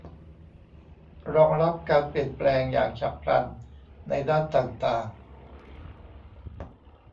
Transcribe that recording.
รองรับการเปลี่ยนแปลงอย่างฉับพลันในด้านต่างต่าง